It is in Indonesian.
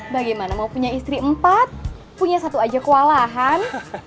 bagaimana mau punya istri empat punya satu aja kewalahan